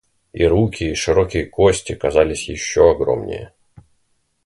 И руки и широкие кости казались еще огромнее.